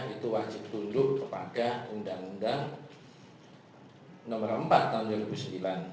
itu wajib tunduk kepada undang undang nomor empat tahun dua ribu sembilan